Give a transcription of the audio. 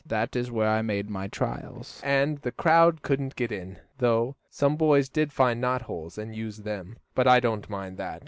That is where I made all my trials, and the crowd couldn't get in, though some boys did find knot holes and use them. But I don't mind that.